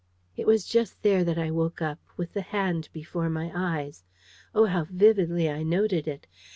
It was just there that I woke up with the hand before my eyes. Oh, how vividly I noted it!